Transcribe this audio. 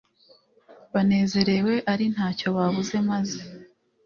banezerewe ari ntacyo babuze maze